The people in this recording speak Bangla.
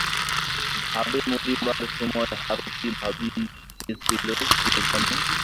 ভাবে, মরিবার সময় হারু কী ভাবিতেছিল কে জানে!